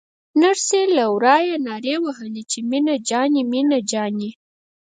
نرسې له ورايه نارې وهلې چې مينه جانې مينه جانې.